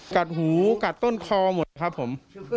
กัดหูกัดต้นคอหมดครับผม